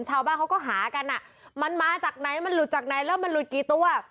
ชาวบ้านเขาก็หากันอ่ะมันมาจากไหนมันหลุดจากไหนแล้วมันหลุดกี่ตัว